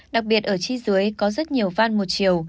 đặc biệt ở chi dưới có rất nhiều van một chiều